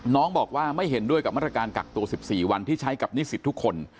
น้องบอกว่าไม่เห็นด้วยกับมาตรการกักตัว๑๔วันที่ใช้กับนิสิตทุกคน